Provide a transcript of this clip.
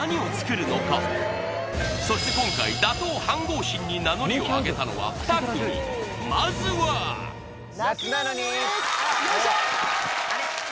そして今回打倒飯ごう神に名乗りをあげたのは２組まずはよいしょ！